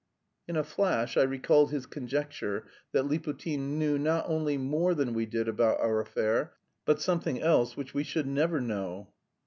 In a flash, I recalled his conjecture that Liputin knew not only more than we did about our affair, but something else which we should never know.